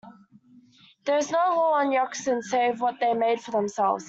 There was no law on the Yukon save what they made for themselves.